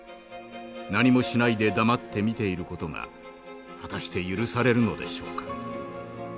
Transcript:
何もしないで黙って見ている事が果たして許されるのでしょうか。